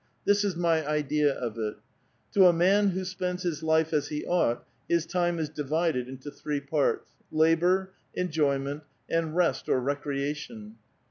This is my idea of it :— ^'To a man who spends his life as he ought, his time is divided into three parts, — labor, enjoyment, and rest or recreation.